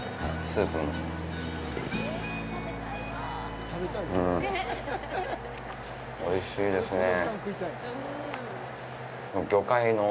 スープもうん、おいしいですね。